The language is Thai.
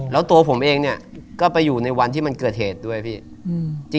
แล้วตัวผมเองเนี่ยก็ไปอยู่ในวันที่มันเกิดเหตุด้วยพี่